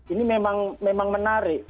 ini memang menarik